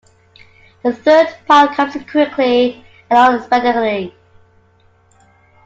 The third part comes in quickly and unexpectedly.